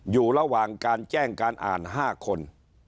อยู่ระหว่างการแจ้งการอ่าน๕คน